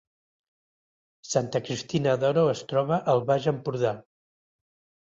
Santa Cristina d’Aro es troba al Baix Empordà